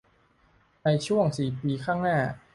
ในช่วงสี่ปีข้างหน้า